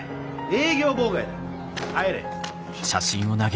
営業妨害だ。